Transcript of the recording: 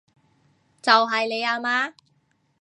就係你阿媽